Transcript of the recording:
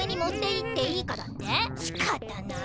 しかたない。